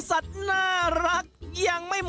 วิธีแบบไหนไปดูกันเล็ก